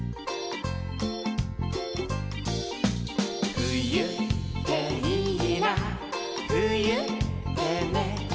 「ふゆっていいなふゆってね」